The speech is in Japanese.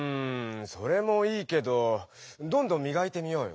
それもいいけどどんどんみがいてみようよ。